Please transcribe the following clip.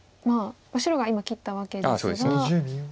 白が今切ったわけですが。